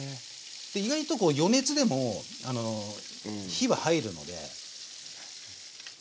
で意外と余熱でも火は入るので。